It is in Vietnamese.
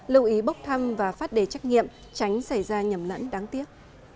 lưu ý bốc thăm và phát đề trắc nghiệm tránh xảy ra nhầm lẫn đáng tiếc